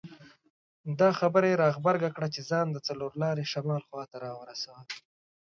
دا خبره یې را غبرګه کړه چې ځان د څلور لارې شمال خواته راورساوه.